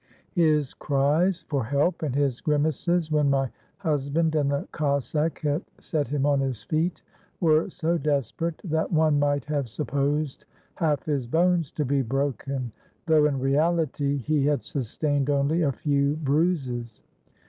His cries for help, and his grimaces when my husband and the Cossack had set him on his feet, were so desperate, that one might have supposed half his bones to be broken, though, in reality, he had sustained only a few bruises.